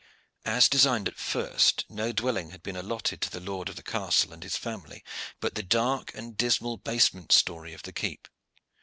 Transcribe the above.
As designed at first, no dwelling had been allotted to the lord of the castle and his family but the dark and dismal basement story of the keep.